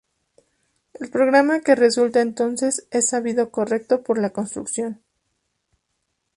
El programa que resulta entonces es sabido correcto por la construcción.